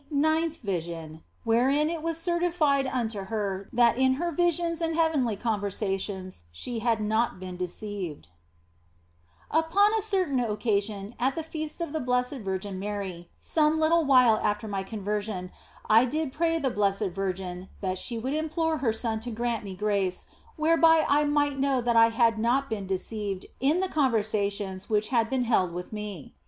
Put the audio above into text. NINTH VISION, WHEREIN IT WAS CERTIFIED UNTO HER THAT IN HER VISIONS AND HEAVENLY CONVERSATIONS SHE HAD NOT BEEN DECEIVED UPON a certain occasion, at the Feast of the Blessed Virgin Mary, some little while after my conversion, I did pray the Blessed Virgin that she would implore her Son to grant me grace whereby I might know that I had not OF FOLIGNO 195 been deceived in the conversations which had been held with me.